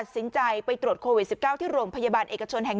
สินใจไปตรวจโควิด๑๙ที่โรงพยาบาลเอกชนแห่ง๑